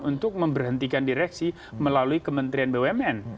untuk memberhentikan direksi melalui kementerian bumn